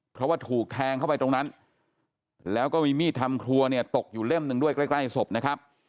เพราะว่าถูกแทงเข้าไปตรงนั้นแล้วก็มีมีดทำครัวเนี่ยตกอยู่เล่มหนึ่งด้วยใกล้ใกล้ศพนะครับ